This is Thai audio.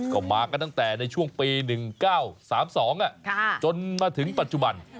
ก็มากันตั้งแต่ในช่วงปี๑๙๓๒จนมาถึงปัจจุบัน